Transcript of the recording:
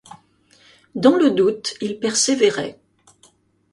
Dans le doute, il persévérait.